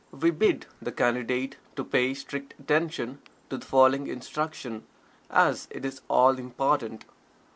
We bid the Candidate to pay strict attention to the following instruction, as it is all important.